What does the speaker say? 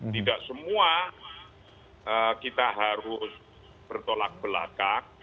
tidak semua kita harus bertolak belakang